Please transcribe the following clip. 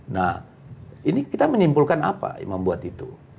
nah ini kita menyimpulkan apa yang membuat itu